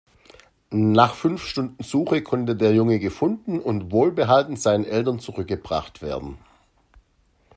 Nach fünf Stunden Suche konnte der Junge gefunden und wohlbehalten seinen Eltern zurückgebracht werden.